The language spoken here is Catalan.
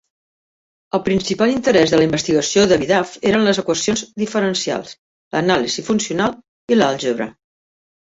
El principal interès de la investigació de Vidav eren les equacions diferencials, l'anàlisi funcional i l'àlgebra.